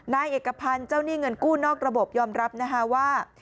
นายเอกพันธ์เจ้าหนี้เงินกู้นอกระบบยอมรับนะคะว่า